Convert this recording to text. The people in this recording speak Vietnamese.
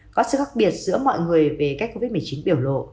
có sự khác biệt giữa mọi người về cách covid một mươi chín biểu lộ